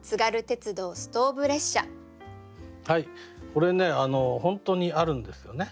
これね本当にあるんですよね。